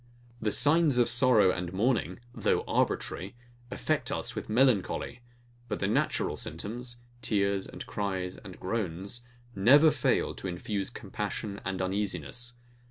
The signs of sorrow and mourning, though arbitrary, affect us with melancholy; but the natural symptoms, tears and cries and groans, never fail to infuse compassion and uneasiness.